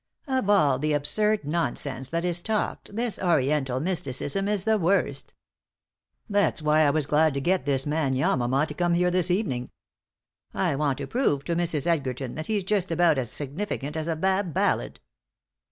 Of all the absurd nonsense that is talked this Oriental mysticism is the worst. That's why I was glad to get this man Yamama to come here this evening. I want to prove to Mrs. Edgerton that he's just about as significant as a Bab ballad."